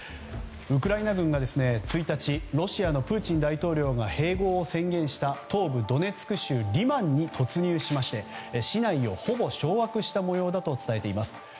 ウクライナ軍が１日ロシアのプーチン大統領が併合を宣言した東部ドネツク州リマンに突入しまして市内をほぼ掌握した模様だと伝えています。